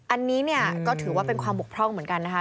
อันนี้เนี่ยก็ถือว่าเป็นความบกพร่องเหมือนกันนะคะ